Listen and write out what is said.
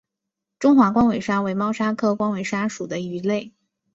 中华光尾鲨为猫鲨科光尾鲨属的鱼类。